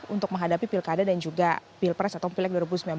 untuk menghadapi pilkada dan juga pilpres atau pileg dua ribu sembilan belas